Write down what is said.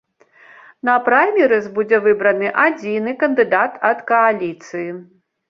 На праймерыз будзе выбраны адзіны кандыдат ад кааліцыі.